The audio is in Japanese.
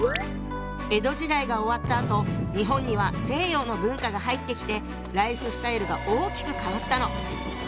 江戸時代が終わったあと日本には西洋の文化が入ってきてライフスタイルが大きく変わったの。